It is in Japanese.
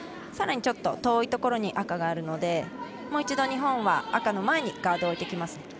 さらに遠いところに赤があるのでもう一度、日本は赤の前にガードを置きに行きます。